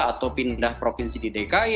atau pindah provinsi di dki